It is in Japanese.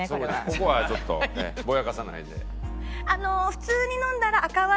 ここはちょっとぼやかさないで。